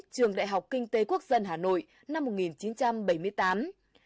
trường đại học kinh tế quốc dân hà nội năm một nghìn chín trăm bảy mươi tám